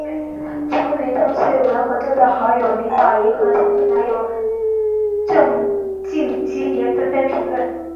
曾与邓萃雯合作的好友林保怡和前度男友郑敬基也纷纷评论。